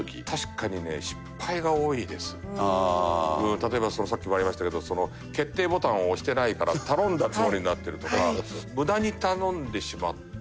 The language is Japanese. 例えばさっきもありましたけど決定ボタンを押してないから頼んだつもりになってるとか無駄に頼んでしまって。